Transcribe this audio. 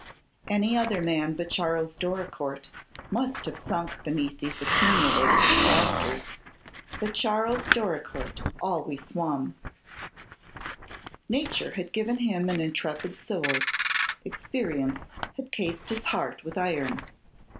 Any other man but Charles Doricourt must have sunk beneath these accumulated disasters, but Charles Doricourt always swam. Nature had given him an intrepid soul; experience had cased his heart with iron.